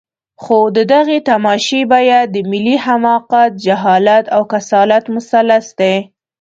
خو د دغې تماشې بیه د ملي حماقت، جهالت او کسالت مثلث دی.